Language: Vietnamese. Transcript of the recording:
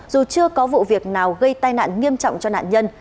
dù chưa có vụ việc nào gây tai nạn nghiêm trọng cho nạn nhân